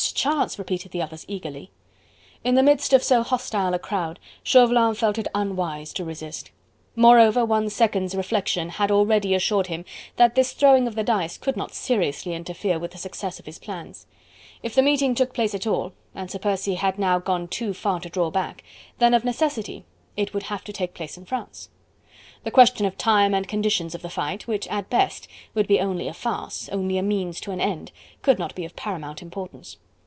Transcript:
Chance!" repeated the others eagerly. In the midst of so hostile a crowd, Chauvelin felt it unwise to resist. Moreover, one second's reflection had already assured him that this throwing of the dice could not seriously interfere with the success of his plans. If the meeting took place at all and Sir Percy now had gone too far to draw back then of necessity it would have to take place in France. The question of time and conditions of the fight, which at best would be only a farce only a means to an end could not be of paramount importance.